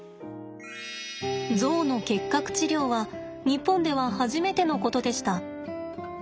ゾウの結核治療は日本では初めてのことでした。